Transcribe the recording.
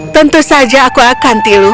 tentu saja aku akan tilu